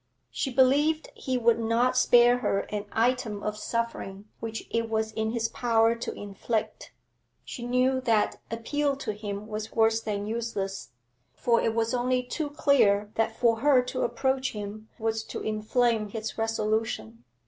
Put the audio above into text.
She believed he would not spare her an item of suffering which it was in his power to inflict. She knew that appeal to him was worse than useless, for it was only too clear that for her to approach him was to inflame his resolution.